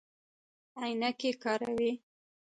عینکې کاروئ؟